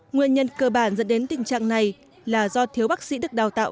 nguyên nhân cơ bản dẫn đến tình trạng này là do thiếu bác sĩ được đào tạo